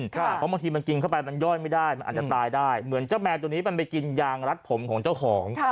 เพราะบางทีมันกินเข้าไปมันย่อยไม่ได้มันอาจจะตายได้เหมือนเจ้าแมวตัวนี้มันไปกินยางรัดผมของเจ้าของ